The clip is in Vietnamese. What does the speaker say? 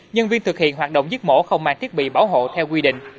nhân viên thực hiện hoạt động giết mổ không mang thiết bị bảo hộ theo quy định